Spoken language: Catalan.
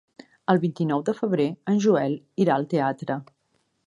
El vint-i-nou de febrer en Joel irà al teatre.